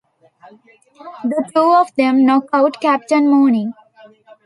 The two of them knock out Captain Mooney.